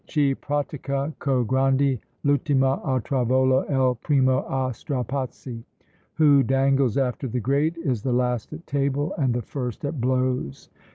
Chi prattica co' grandi, l'ultimo a tavola, e'l primo a strapazzi: "Who dangles after the great is the last at table, and the first at blows."